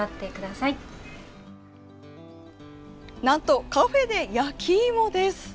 なんとカフェで焼き芋です。